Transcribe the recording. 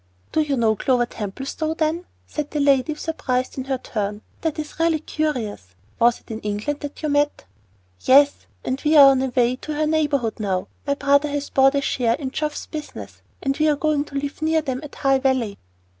"Do you know Clover Templestowe, then?" said the lady, surprised in her turn. "That is really curious. Was it in England that you met?" "Yes, and we are on our way to her neighborhood now. My brother has bought a share in Geoff's business, and we are going to live near them at High Valley."